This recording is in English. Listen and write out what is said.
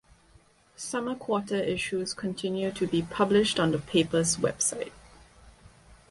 Summer Quarter issues continue to be published on the paper's website.